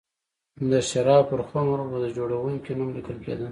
د شرابو پر خُمر و به د جوړوونکي نوم لیکل کېده